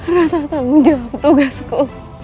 rasa tanggung jawab tugasku